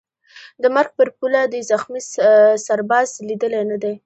د مرګ پر پوله دي زخمي سرباز لیدلی نه دی